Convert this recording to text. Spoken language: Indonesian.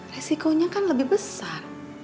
resikonya kan lebih besar